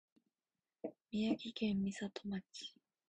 宮城県美里町